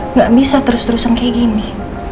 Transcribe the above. nggak bisa terus terusan kayak gini